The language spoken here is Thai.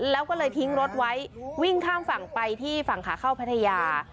แล้วก็เลยทิ้งรถไว้วิ่งข้ามฝั่งไปที่ฝั่งขาเข้าพัทยา